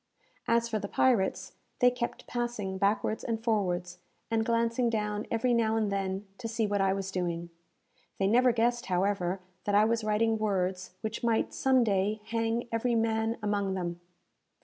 As for the pirates, they kept passing backwards and forwards, and glancing down every now and then, to see what I was doing. They never guessed, however, that I was writing words which might, some day, hang every man among them!